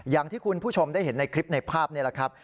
อย่างที่คุณผู้ชมได้เห็นในคลิปในภาพนี่แหละครับ